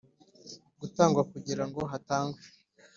Gutangwa kugira ngo hatangwe